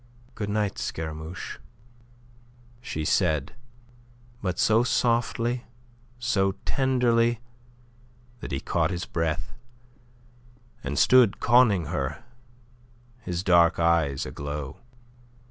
"Good night, Scaramouche," she said, but so softly, so tenderly, that he caught his breath, and stood conning her, his dark eyes aglow.